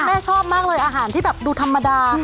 แม่ชอบมากเลยอาหารที่แบบดูธรรมดา